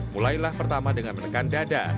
mulailah pertama dengan menekan dada